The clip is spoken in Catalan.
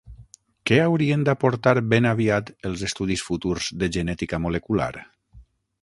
Què haurien d'aportar ben aviat els estudis futurs de genètica molecular?